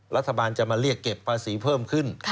รัฐบาลจะมาเรียกเก็บภาษีเพิ่มขึ้น